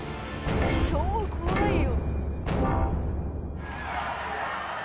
超怖いよ。